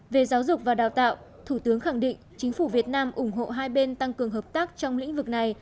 về giáo dục và đào tạo thủ tướng khẳng định chính phủ việt nam ủng hộ hai bên tăng cường hợp tác trong lĩnh vực này